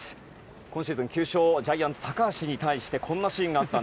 今シーズン９勝ジャイアンツ、高橋に対してこんなシーンがありました。